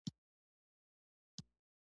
ما پرون ډوډۍ وخوړه